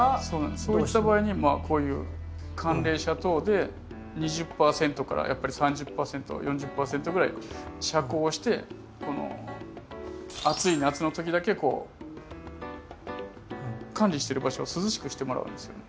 そういった場合にこういう寒冷紗等で２０％から３０％４０％ぐらい遮光をしてこの暑い夏の時だけこう管理してる場所を涼しくしてもらうんですよね。